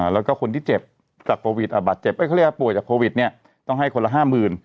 แล้วก็คนที่เจ็บจากโควิดบาดเจ็บเขาเรียกว่าป่วยจากโควิดเนี่ยต้องให้คนละ๕๐๐๐